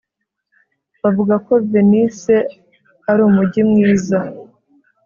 Bavuga ko Venise ari umujyi mwiza